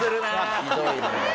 ひどいね。